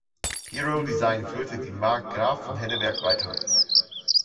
Hero Design führte die Marke "Graf von Henneberg" weiter.